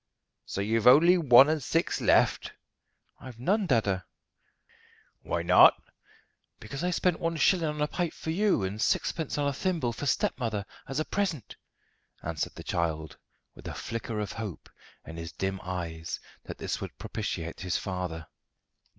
"So you've only one and six left?" "I've none, dada." "Why not?" "Because I spent one shilling on a pipe for you, and sixpence on a thimble for stepmother as a present," answered the child, with a flicker of hope in his dim eyes that this would propitiate his father.